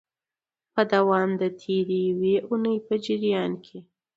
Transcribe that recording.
په دوام د تیري یوې اونۍ په جریان کي